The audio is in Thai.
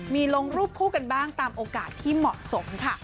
มีลงรูปคู่กันบ้างตามโอกาสที่เหมาะสมค่ะ